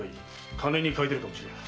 金に換えてるかもしれん。